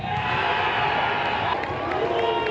หลับหลับ